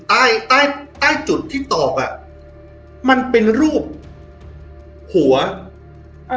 ใต้ใต้ใต้จุดที่ตอกอ่ะมันเป็นรูปหัวอ่า